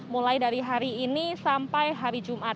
mulai dari hari ini sampai hari jumat